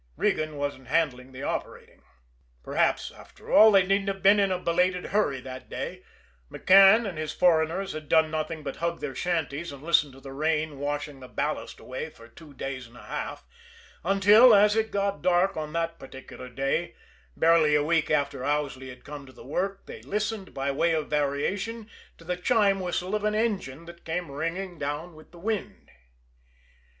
Regan wasn't handling the operating. Perhaps, after all, they needn't have been in a belated hurry that day McCann and his foreigners had done nothing but hug their shanties and listen to the rain washing the ballast away for two days and a half, until, as it got dark on that particular day, barely a week after Owsley had come to the work, they listened, by way of variation, to the chime whistle of an engine that came ringing down with the wind.